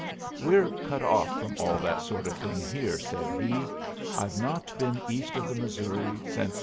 "We're cut off from all that sort of thing here," said he. "I've not been east of the Missouri since '69.